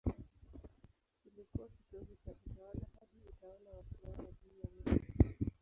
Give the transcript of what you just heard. Kilikuwa kitovu cha utawala hadi utawala wa Kiroma juu ya Misri.